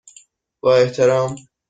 با احترام،